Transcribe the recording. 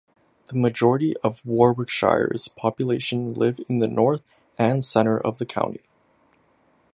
The majority of Warwickshire's population live in the north and centre of the county.